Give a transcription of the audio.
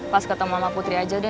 pas ketemu sama putri aja deh